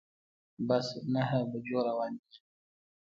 بس نهه بجو روانیږي